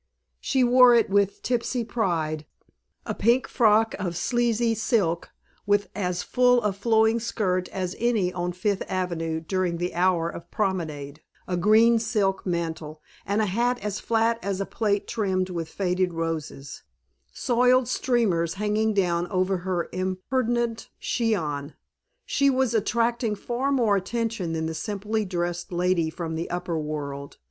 She wore it with tipsy pride: a pink frock of slazy silk with as full a flowing skirt as any on Fifth Avenue during the hour of promenade, a green silk mantle, and a hat as flat as a plate trimmed with faded roses, soiled streamers hanging down over her impudent chignon. She was attracting far more attention than the simply dressed lady from the upper world.